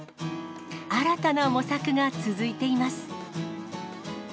新たな模索が続いています。